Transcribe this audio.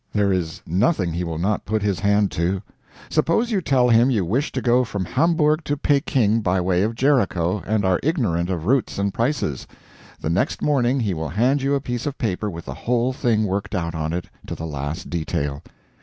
There is nothing he will not put his hand to. Suppose you tell him you wish to go from Hamburg to Peking by the way of Jericho, and are ignorant of routes and prices the next morning he will hand you a piece of paper with the whole thing worked out on it to the last detail.